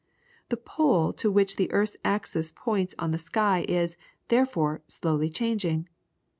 The pole to which the earth's axis points on the sky is, therefore, slowly changing.